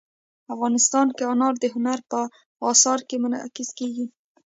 افغانستان کې انار د هنر په اثار کې منعکس کېږي.